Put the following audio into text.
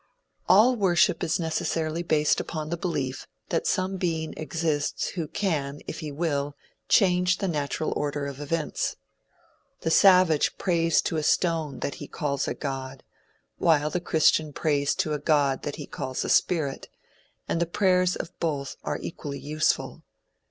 All worship is necessarily based upon the belief that some being exists who can, if he will, change the natural order of events. The savage prays to a stone that he calls a god, while the christian prays to a god that he calls a spirit, and the prayers of both are equally useful.